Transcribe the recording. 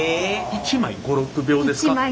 １枚５６秒です。